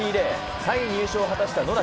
３位入賞を果たした野中。